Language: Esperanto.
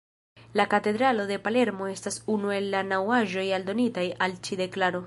La katedralo de Palermo estas unu el la naŭ aĵoj aldonitaj al ĉi deklaro.